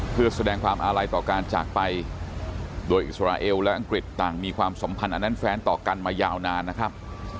เพื่อแสดงความอาลัยต่อการจากไปโดยอิสราเอลและอังกฤษต่างมีความสัมพันธ์อันนั้นแฟนต่อกันมายาวนานนะครับ